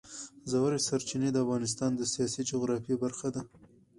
ژورې سرچینې د افغانستان د سیاسي جغرافیه برخه ده.